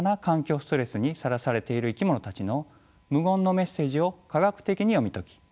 ストレスにさらされている生き物たちの無言のメッセージを科学的に読み解き